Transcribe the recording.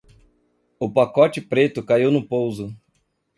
O pacote preto caiu no pouso.